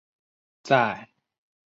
在许多的案例中记载有这种疾病。